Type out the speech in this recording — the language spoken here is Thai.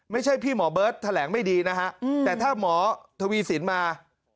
ไม่ใช่พี่หมอเบิร์ตแถลงไม่ดีนะฮะแต่ถ้าหมอทวีสินมา